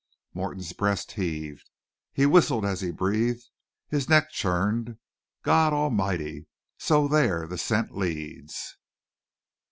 Morton's breast heaved; he whistled as he breathed; his neck churned. "God Almighty! So there the scent leads!